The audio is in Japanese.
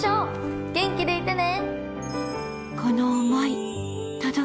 元気でいてね！